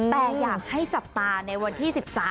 แต่อยากให้จับตาในวันที่๑๓